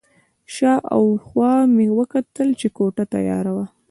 شا او خوا مې وکتل چې کوټه تیاره وه.